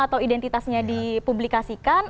atau identitasnya dipublikasikan